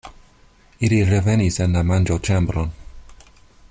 Ili revenis en la manĝoĉambron.